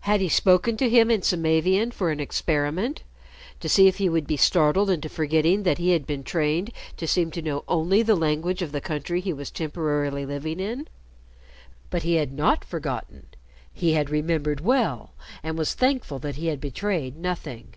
Had he spoken to him in Samavian for an experiment, to see if he would be startled into forgetting that he had been trained to seem to know only the language of the country he was temporarily living in? But he had not forgotten. He had remembered well, and was thankful that he had betrayed nothing.